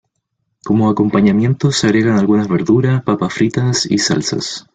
Como acompañamiento, se agregan algunas verduras papás fritas y salsas.